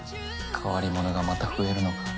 変わり者がまた増えるのか。